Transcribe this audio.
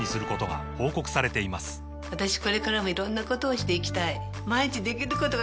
私これからもいろんなことをしていきたい